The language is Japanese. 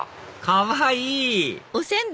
かわいい！